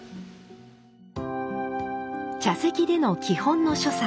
茶席での基本の所作。